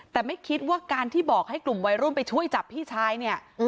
แต่ไม่คิดว่าการที่บอกให้กลุ่มวัยรุ่นไปช่วยจับพี่ชายเนี่ย